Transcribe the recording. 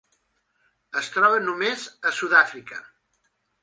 Es troba només a Sud-àfrica.